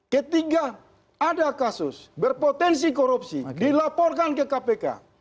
ketiga ada kasus berpotensi korupsi dilaporkan ke kpk